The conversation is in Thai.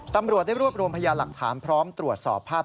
ตำรวจได้รวบรวมพยานหลักฐานพร้อมตรวจสอบภาพ